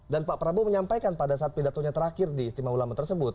dan pak prabowo menyampaikan pada saat pidatonya terakhir diistimewa ulama tersebut